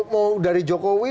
mau dari jokowi